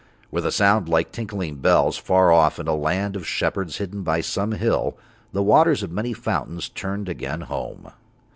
With a sound like tinkling bells, far off in a land of shepherds hidden by some hill, the waters of many fountains turned again home.